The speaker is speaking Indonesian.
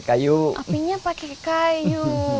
apinya pakai kayu